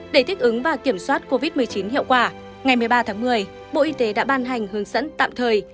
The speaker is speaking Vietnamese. để thích ứng và kiểm soát covid một mươi chín hiệu quả ngày một mươi ba tháng một mươi bộ y tế đã ban hành hướng dẫn tạm thời